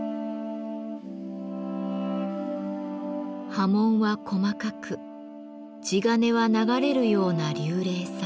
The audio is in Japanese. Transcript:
刃文は細かく地鉄は流れるような流麗さ。